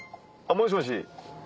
もしもし。